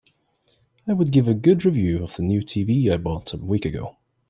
I would give a good review of the new TV I bought a week ago.